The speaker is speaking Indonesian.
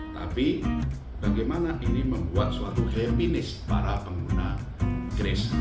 tapi bagaimana ini membuat suatu haminis para pengguna crace